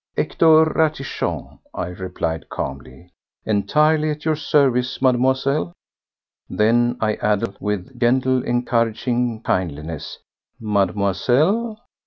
"Hector Ratichon," I replied calmly. "Entirely at your service, Mademoiselle." Then I added, with gentle, encouraging kindliness, "Mademoiselle...?"